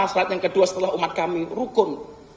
manfaat yang kedua setelah umat kami rukun